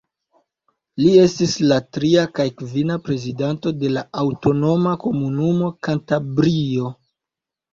Li estis la tria kaj kvina prezidanto de la aŭtonoma komunumo Kantabrio.